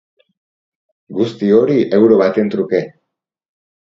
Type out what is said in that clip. Guzti hori euro baten truke.